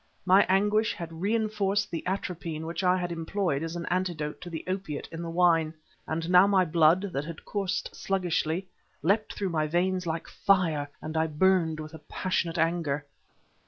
My anguish had reinforced the atropine which I had employed as an antidote to the opiate in the wine, and now my blood, that had coursed sluggishly, leapt through my veins like fire and I burned with a passionate anger.